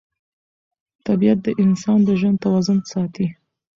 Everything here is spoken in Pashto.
طبیعت د انسان د ژوند توازن ساتي